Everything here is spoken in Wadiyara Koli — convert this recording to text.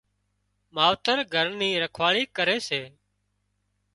ماوتر گھر نِي رکواۯي ڪري سي